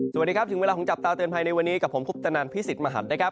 สวัสดีครับถึงเวลาของจับตาเตือนภัยในวันนี้กับผมคุปตนันพิสิทธิ์มหันนะครับ